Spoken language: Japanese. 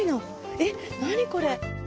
えっ何これ。